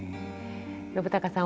信朗さん